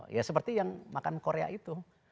ya seperti yang makan korea itu